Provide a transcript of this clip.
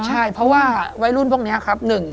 ใช่เพราะว่าวัยรุ่นพวกนี้ครับ